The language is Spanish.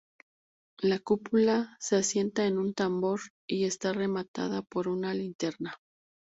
La cúpula se asienta en un tambor y está rematada por una linterna.